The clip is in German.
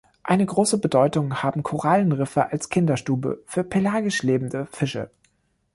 Eine große Bedeutung haben Korallenriffe als „Kinderstube“ für pelagisch lebende Fische.